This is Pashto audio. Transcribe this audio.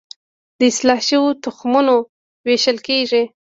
د اصلاح شویو تخمونو ویشل کیږي